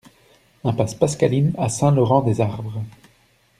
Impasse Pascaline à Saint-Laurent-des-Arbres